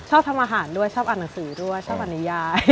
ชอบทำอาหารด้วยชอบอ่านหนังสือด้วยชอบอนุญาต